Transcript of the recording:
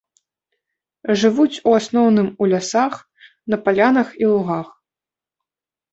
Жывуць у асноўным у лясах, на палянах і лугах.